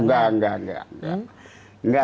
enggak enggak enggak